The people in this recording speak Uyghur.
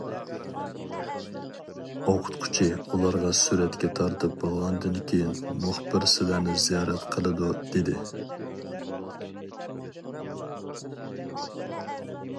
ئوقۇتقۇچى ئۇلارغا سۈرەتكە تارتىپ بولغاندىن كېيىن مۇخبىر سىلەرنى زىيارەت قىلىدۇ دېدى.